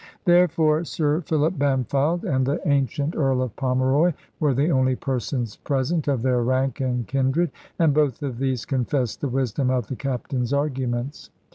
Therefore Sir Philip Bampfylde and the ancient Earl of Pomeroy were the only persons present of their rank and kindred; and both of these confessed the wisdom of the Captain's arguments.